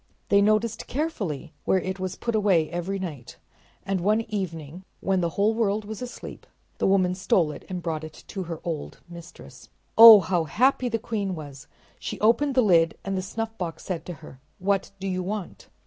They noticed carefully where it was put away every night, and one evening, when the whole world was asleep, the woman stole it and brought it to her old mistress. Oh, how happy the queen was! She opened the lid and the snuffbox said to her: "What do you want?"